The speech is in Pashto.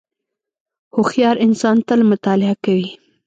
• هوښیار انسان تل مطالعه کوي.